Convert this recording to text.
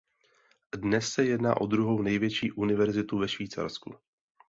Dnes se jedná o druhou největší univerzitu ve Švýcarsku.